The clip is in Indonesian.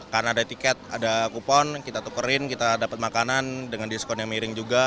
karena ada tiket ada kupon kita tukerin kita dapat makanan dengan diskon yang miring juga